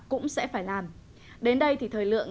cũng sẽ phải làm đến đây thì thời lượng